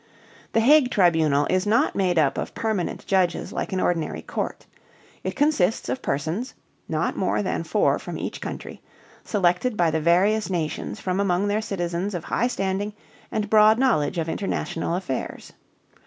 The Hague Tribunal is not made up of permanent judges like an ordinary court. It consists of persons (not more than four from each country) selected by the various nations from among their citizens of high standing and broad knowledge of international affairs.